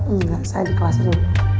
engga saya di kelas dulu